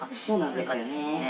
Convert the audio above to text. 通貨ですもんね。